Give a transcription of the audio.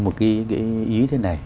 một cái ý thế này